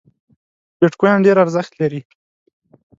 بیټ کواین ډېر ارزښت لري